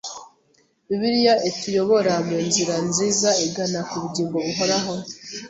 Bibiliya ituyobora mu nzira nziza igana ku bugingo buhoraho